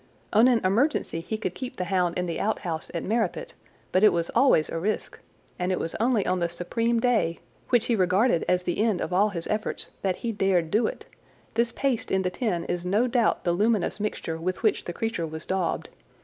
On an emergency he could keep the hound in the out house at Merripit, but it was always a risk, and it was only on the supreme day, which he regarded as the end of all his efforts, that he dared do it. This paste in the tin is no doubt the luminous mixture with which the creature was daubed.